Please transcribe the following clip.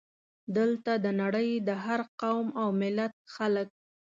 دلته د نړۍ د هر قوم او ملت خلک.